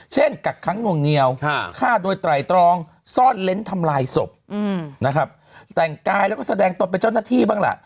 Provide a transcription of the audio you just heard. เช่นกัดคั้งหัวเงียวฆ่าโดยไตรตรองซ่อนเล้นทำลายศพแต่งกายแล้วก็แสดงตกเป็นเจ้าหน้าที่บ้างล่ะ